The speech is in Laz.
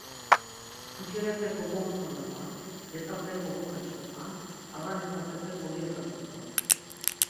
Pukirepe kogomskvanapan, let̆ape koguxaçkupan, ağani tasepe kogyotasupan.